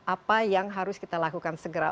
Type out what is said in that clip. apa yang harus kita lakukan segera